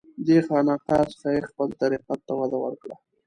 دې خانقاه څخه یې خپل طریقت ته وده ورکړه.